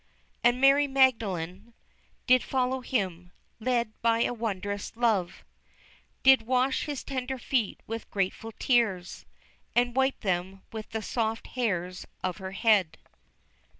And Mary Magdalene Did follow Him, led by a wondrous love, Did wash His tender feet with grateful tears, And wipe them with the soft hairs of her head.